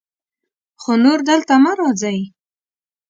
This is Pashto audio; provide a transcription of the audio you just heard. خو نور دلته مه راځئ.